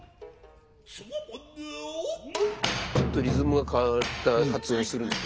ちょっとリズムが変わった発音するんですよ。